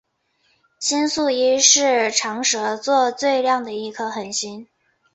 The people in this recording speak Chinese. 星宿一是长蛇座最亮的一颗恒星。